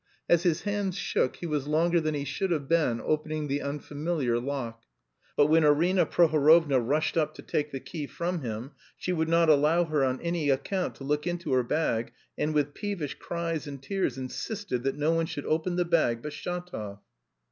As his hands shook he was longer than he should have been opening the unfamiliar lock. Marie flew into a rage, but when Arina Prohorovna rushed up to take the key from him, she would not allow her on any account to look into her bag and with peevish cries and tears insisted that no one should open the bag but Shatov.